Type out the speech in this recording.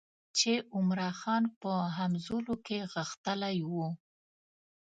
چې عمرا خان په همزولو کې غښتلی وو.